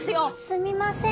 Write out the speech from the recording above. すみません。